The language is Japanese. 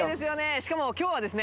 しかも今日はですね